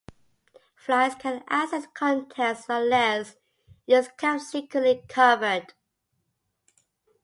Flies can access the contents unless it is kept securely covered.